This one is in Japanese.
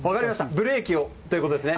ブレーキをということですね。